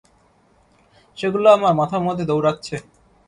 সেগুলো আমার মাথার মধ্যে দৌড়াচ্ছে।